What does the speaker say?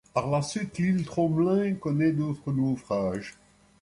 Par la suite, l'île Tromelin connaît d'autres naufrages.